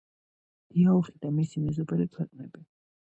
დიაოხი და მისი მეზობელი ქვეყნები